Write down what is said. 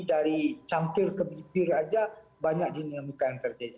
dari cangkir ke bibir aja banyak dinamika yang terjadi